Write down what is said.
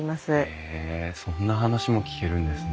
へえそんな話も聞けるんですね。